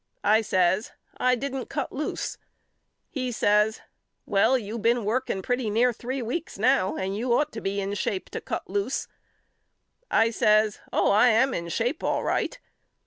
I says I didn't cut loose. He says Well you been working pretty near three weeks now and you ought to be in shape to cut loose. I says Oh I am in shape all right.